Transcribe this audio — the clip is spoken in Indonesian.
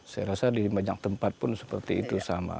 saya rasa di banyak tempat pun seperti itu sama